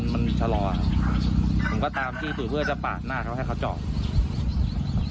มันชะลอครับผมก็ตามที่อยู่เพื่อจะปาดหน้าเขาให้เขาจอด